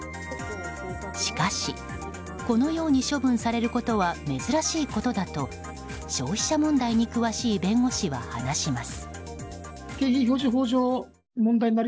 しかし、このように処分されることは珍しいことだと消費者問題に詳しい弁護士は話します。